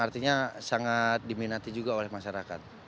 artinya sangat diminati juga oleh masyarakat